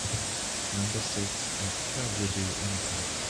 Number six at Kerguidoue impasse.